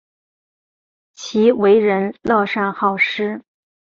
其为人乐善好施。